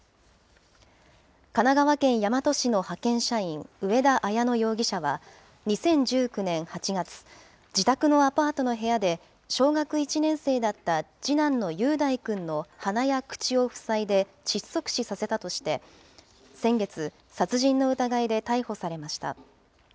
神奈川県大和市の派遣社員、上田綾乃容疑者は２０１９年８月、自宅のアパートの部屋で、小学１年生だった次男の雄大君の鼻や口を塞いで窒息死させたとして、先月、殺人の疑いで逮捕されました。